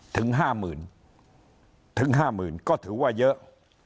ถึง๕๐๐๐๐ก็ถือว่าเยอะ